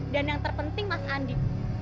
dan yang terpenting mas adi